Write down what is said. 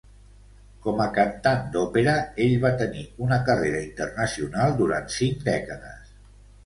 Com a cantant d'òpera, ell va tenir una carrera internacional durant cinc dècades.